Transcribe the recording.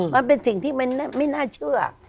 มันเป็นสิ่งที่มันไม่น่าเชื่อ